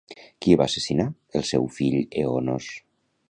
Qui va assassinar el seu fill Eonos?